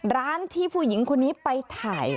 ร้านที่ผู้หญิงคนนี้ไปถ่าย